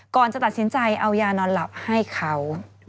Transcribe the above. ก่อนจะตัดสินใจเอายานอนหลับให้เขา